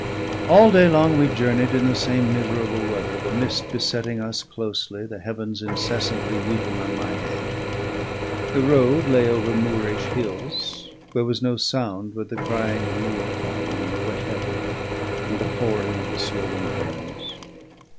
All day long we journeyed in the same miserable weather: the mist besetting us closely, the heavens incessantly weeping on my head. The road lay over moorish hills, where was no sound but the crying of moor fowl in the wet heather and the pouring of the swollen burns.